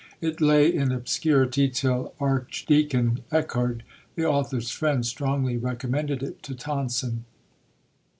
It lay in obscurity, till Archdeacon Echard, the author's friend, strongly recommended it to Tonson.